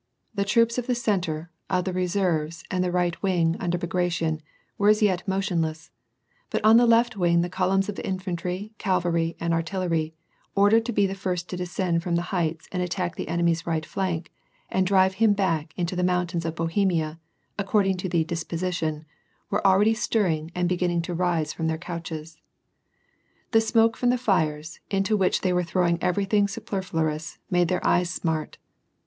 The troops of the centre, of the reserves, and the right wing, under Bagration, were as yet motionless ; but on the left wing, the columns of ^fantry, cavalry, and artillery, ordered to be the first to descend from the heights and attack the enemy's right flank, and drive him back into the mountains of Bohemia, according to the " disposition," were already stirring and begin ning to rise from their couches. The smoke from the fires, into which they were throwing everything superfluous, made their eyes smart.